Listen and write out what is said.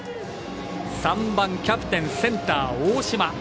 ３番キャプテンセンター、大島。